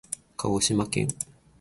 鹿児島県枕崎市